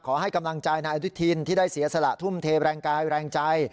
ขอให้กำลังใจนายอนุทินที่ได้เสียสละทุ่มเทแรงกายแรงใจ